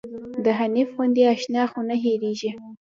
د حنيف غوندې اشنا خو نه هيريږي